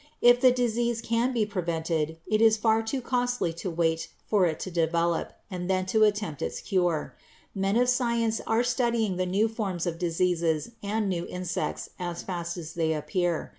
If disease can be prevented, it is far too costly to wait for it to develop and then to attempt its cure. Men of science are studying the new forms of diseases and new insects as fast as they appear.